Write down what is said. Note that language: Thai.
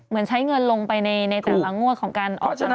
เหมือนใช้เงินลงไปในแต่ละงวดของการออกโฉน